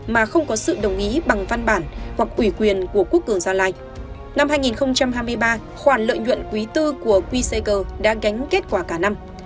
năm hai nghìn hai mươi ba khoản lợi nhuận quý tư của quy sager đã gánh kết quả cả năm